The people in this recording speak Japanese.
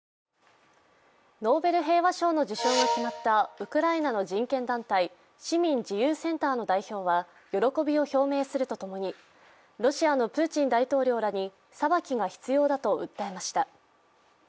ノーベル平和賞の受賞が決まったウクライナの人権団体市民自由センターの代表は喜びを表明するとともにロシアのプーチン大統領らに裁きが必要だと訴えました。